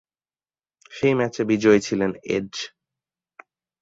সেই ম্যাচে বিজয়ী ছিলেন এজ।